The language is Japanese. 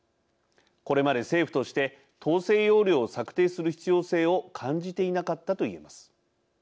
これまで政府として統制要領を策定する必要性を感じていなかったと言えます。